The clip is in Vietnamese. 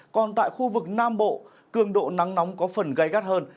còn tại khu vực nam bộ cường độ nắng nóng có phần gây gắt hơn